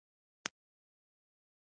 چې د جنت هوا به درباندې ولګېږي.